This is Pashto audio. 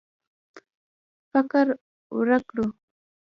فقر ورک کړو.